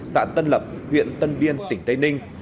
xã tân lập huyện tân biên tỉnh tây ninh